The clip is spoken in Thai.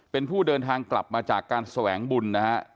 เป็นผู้เดินทางกลับมาจากการแสวงบุญนะฮะ